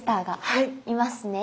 はい。